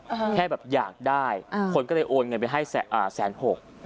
อืมแค่แบบอยากได้อืมคนก็เลยโอนเงินไปให้แสนอ่าแสนหกอืม